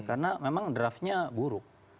karena memang draftnya buruk